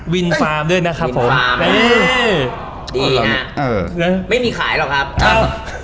วินฟาร์มด้วยนะครับผมวินฟาร์มเออดีนะเออไม่มีขายหรอกครับอ้าว